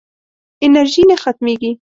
انرژي نه ختمېږي.